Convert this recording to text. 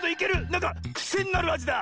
なんかくせになるあじだ！